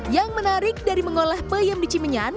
yang menarik dari mengolah peyem di cimenyan